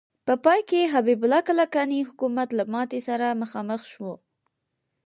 په پای کې حبیب الله کلکاني حکومت له ماتې سره مخامخ شو.